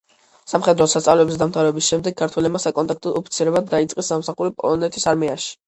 სამხედრო სასწავლებლების დამთავრების შემდეგ, ქართველებმა საკონტრაქტო ოფიცრებად დაიწყეს სამსახური პოლონეთის არმიაში.